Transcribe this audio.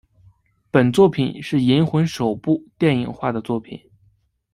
本作品是银魂首部电影化的作品。